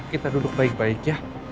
kita duduk baik baik ya